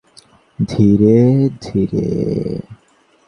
ধীরে, ধীরে।